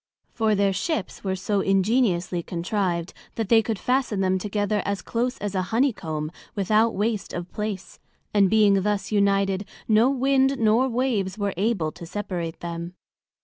For, their Ships were so ingeniously contrived, that they could fasten them together as close as a Honey comb, without waste of place; and being thus united, no Wind nor Waves were able to separate them.